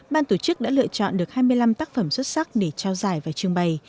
ban tổ chức đã lựa chọn được hai mươi năm tác phẩm xuất sắc để trao giải và trưng bày